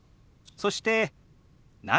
そして「何？」。